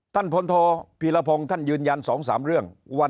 ท่านพลโทพีรพงศ์ท่านยืนยัน๒๓เรื่องว่า